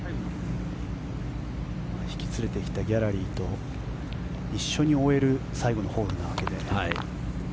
引き連れてきたギャラリーと一緒に終える最後のホールなわけで。